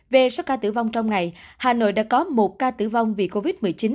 về số ca tử vong trong ngày hà nội đã có một ca tử vong vì covid một mươi chín